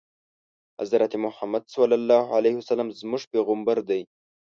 حضرت محمد ص زموږ پیغمبر دی